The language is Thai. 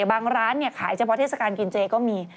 บางร้านขายเฉพาะเทศกาลกินเจก็มี